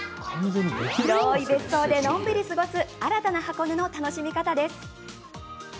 広い別荘で、のんびり過ごす新たな箱根の楽しみ方です。